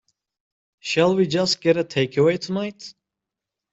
Shall we just get a takeaway tonight?